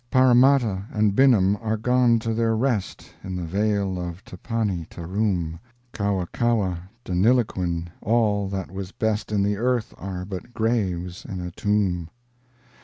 Paramatta and Binnum are gone to their rest In the vale of Tapanni Taroom, Kawakawa, Deniliquin all that was best In the earth are but graves and a tomb!